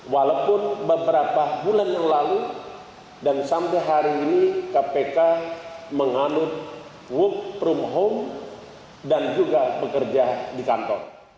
walaupun beberapa bulan yang lalu dan sampai hari ini kpk menganut work from home dan juga pekerja di kantor